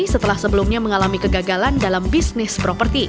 setelah sebelumnya mengalami kegagalan dalam bisnis properti